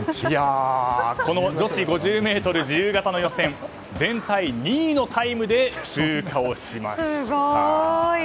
この女子５０ｍ自由形の予選全体２位のタイムで通過をしました。